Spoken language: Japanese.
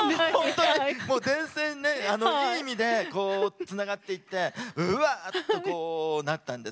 いい意味でつながっていってうわー！ってなったんです。